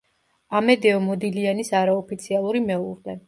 ამედეო მოდილიანის არაოფიციალური მეუღლე.